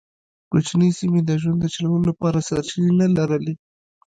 کوچنۍ سیمې د ژوند د چلولو لپاره سرچینې نه لرلې.